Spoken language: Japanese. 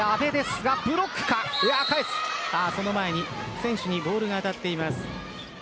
選手にボールが当たっています。